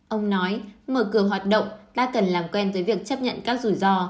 ông nói mở cửa hoạt động ta cần làm quen với việc chấp nhận các rủi ro